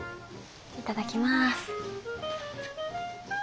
いただきます。